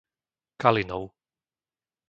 Kalinov